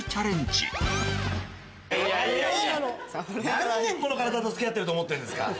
何年この体と付き合ってると思ってるんですか！